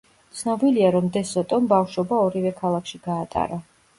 ცნობილია, რომ დე სოტომ ბავშვობა ორივე ქალაქში გაატარა.